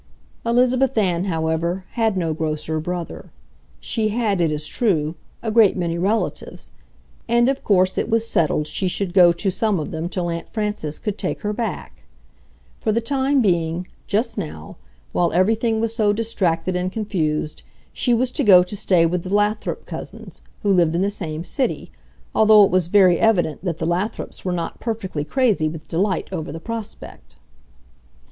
Elizabeth Ann, however, had no grocer brother. She had, it is true, a great many relatives, and of course it was settled she should go to some of them till Aunt Frances could take her back. For the time being, just now, while everything was so distracted and confused, she was to go to stay with the Lathrop cousins, who lived in the same city, although it was very evident that the Lathrops were not perfectly crazy with delight over the prospect.